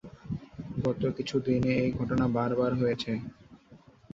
গত কিছুদিনে এ ঘটনা বারবার ঘটছে।